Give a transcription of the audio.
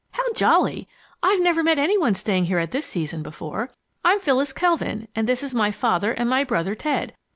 How jolly! I've never met any one staying here at this season before. I'm Phyllis Kelvin and this is my father and my brother Ted.